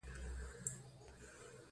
د هرې پوښتنې ځواب یو ځای لیکل شوی دی